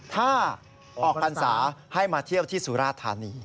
ถ้าออกพรรษาให้มาเที่ยวที่สุราธานี